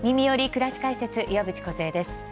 くらし解説」岩渕梢です。